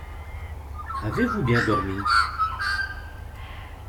Avez-vous bien dormi?